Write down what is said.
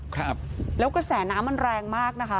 ครับแล้วกระแสน้ำมันแรงมากนะคะ